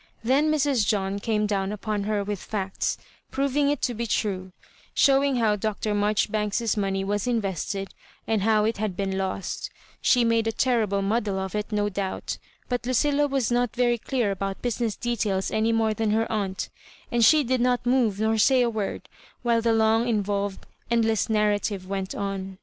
Then Mrs. John came down upon her with fects, proving it to be true — showing how Dr. Marjoribanks's money was invested, and how it had been lost She made a terrible muddle of it^ no doubt, but LqcU la was not very clear about business details any more than her aunt, and she did not move nor say a word while the long, Involved, endless narrative went on.